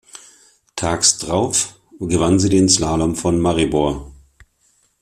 Tags darauf gewann sie den Slalom von Maribor.